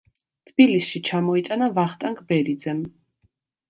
თბილისში ჩამოიტანა ვახტანგ ბერიძემ.